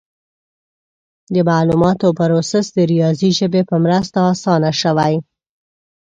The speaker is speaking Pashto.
د معلوماتو پروسس د ریاضي ژبې په مرسته اسانه شوی.